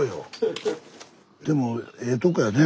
でもええとこやね